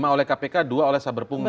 lima oleh kpk dua oleh saber punggung